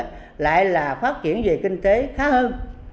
chuyển về kinh tế khá hơn